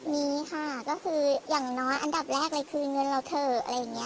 มีค่ะก็คืออย่างน้อยอันดับแรกเลยคือเงินเราเถอะอะไรอย่างนี้